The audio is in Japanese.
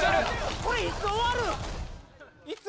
これいつ終わるん？